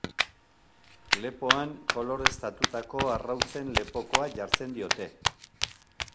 Lepoan koloreztatutako arrautzen lepokoa jartzen diote.